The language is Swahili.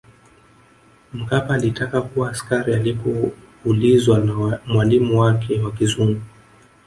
Mkapa alitaka kuwa askari Alipoulizwa na mwalimu wake wa kizungu